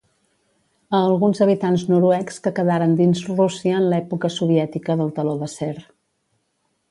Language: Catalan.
A alguns habitants noruecs que quedaren dins Rússia en l'època soviètica del Teló d'Acer.